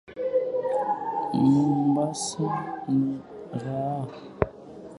Mombasa ni raha